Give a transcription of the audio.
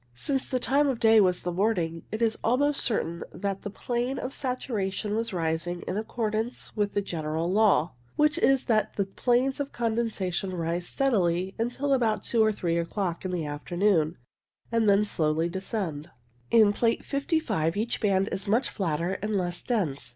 Since the time of day was the morning, it is almost certain that the plane of saturation was rising in accordance with the general law, which is that the planes of condensation rise steadily, until about two or three o'clock in the afternoon, and then slowly descend. In Plate 55 each band is much flatter and less dense.